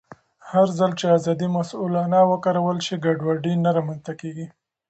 هرځل چې ازادي مسؤلانه وکارول شي، ګډوډي نه رامنځته کېږي.